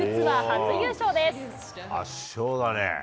圧勝だね。